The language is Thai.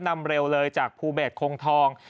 นำเร็วเลยจากภูเบสโคงทอง